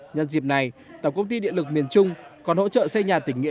nhân dịp này tổng công ty điện lực miền trung còn hỗ trợ xây nhà tỉnh nghĩa